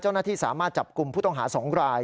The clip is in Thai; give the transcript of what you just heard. เจ้าหน้าที่สามารถจับกลุ่มผู้ต้องหา๒ราย